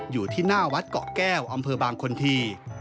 อยู่ที่หน้าวัดเกาะแก้วอำเภอบางคนที